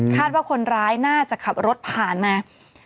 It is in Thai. ว่าคนร้ายน่าจะขับรถผ่านมา